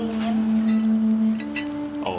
supaya cepat dingin